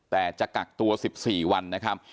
แต่จะกักตัว๑๔วัน